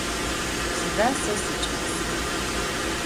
Sıda se siç'aser?